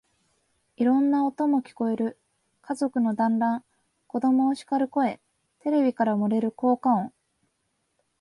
いろんな音も聞こえる。家族の団欒、子供をしかる声、テレビから漏れる効果音、